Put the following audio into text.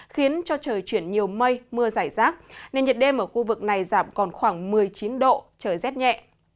khiến cho trời chuyển nhiều mây mưa rải rác nên nhiệt đêm ở khu vực này giảm còn khoảng một mươi chín độ trời rét nhẹ